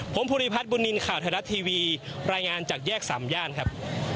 ผมภูริพัฒนบุญนินทร์ข่าวไทยรัฐทีวีรายงานจากแยกสามย่านครับ